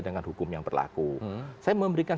dengan hukum yang berlaku saya memberikan